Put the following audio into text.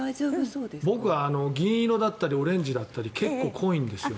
僕、銀色だったりオレンジだったり結構濃いんですよね。